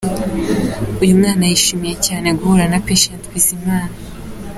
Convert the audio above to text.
Uyu mwana yishimiye cyane guhura na Patient Bizimana.